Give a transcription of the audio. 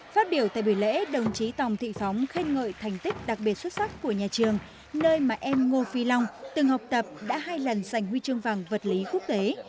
phát biểu tại buổi lễ đồng chí tòng thị phóng khen ngợi thành tích đặc biệt xuất sắc của nhà trường nơi mà em ngô phi long từng học tập đã hai lần giành huy chương vàng vật lý quốc tế